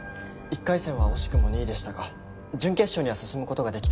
１回戦は惜しくも２位でしたが準決勝には進む事ができたので。